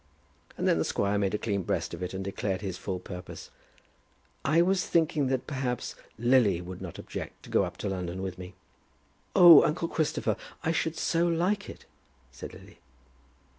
And then the squire made a clean breast of it and declared his full purpose. "I was thinking that, perhaps, Lily would not object to go up to London with me." "Oh, uncle Christopher, I should so like it," said Lily.